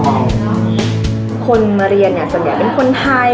คนมาเรียนเนี่ยส่วนใหญ่เป็นคนไทย